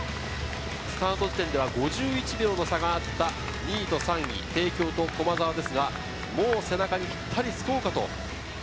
スタート地点では５１秒の差があった２位と３位、帝京と駒澤ですが、もう背中にぴったりつこうかと。